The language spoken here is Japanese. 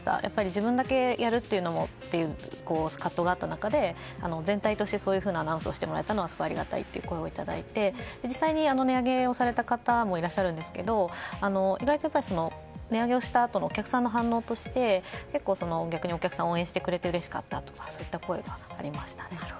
自分だけやるという葛藤があった中で全体としてそういうアナウンスをしてくれたことはありがたいという声をいただいて実際に値上げをされた方もいらっしゃるんですが値上げしたあとのお客さんの反応として結構、逆にお客さんが応援してくれてうれしかったというそういった声がありました。